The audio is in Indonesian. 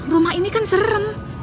rumah ini kan serem